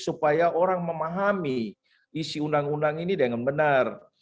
supaya orang memahami isi undang undang ini dengan benar